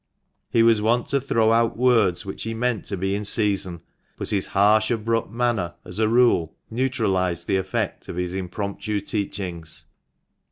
He was wont to throw out words which he meant to be in season, but his harsh, abrupt manner, as a rule, neutralized the effect of his impromptu teachings.